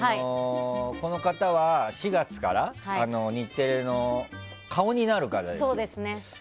この方は４月から日テレの顔になる方です。